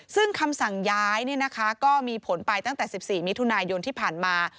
ซึ่งคำสั่งย้ายก็มีผลไปตั้งแต่๑๔มิถุนายนที่ผ่านมา